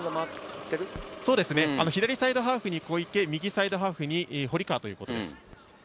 左サイドハーフに小池、右サイドハーフに堀川ということです。